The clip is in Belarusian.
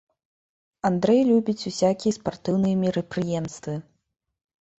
Андрэй любіць усякія спартыўныя мерапрыемствы.